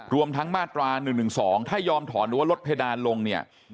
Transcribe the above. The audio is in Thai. รวมทั้งมาตรา๑๑๒ถ้ายอมถอนหรือว่าลดเพดานลงเนี่ย